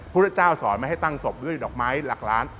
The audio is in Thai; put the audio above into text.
พุทธเจ้าสอนไม่ให้ตั้งศพด้วยดอกไม้หลักล้าน